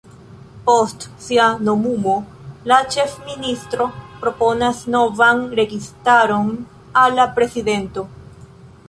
Post sia nomumo, la ĉefministro proponas novan registaron al la Prezidento.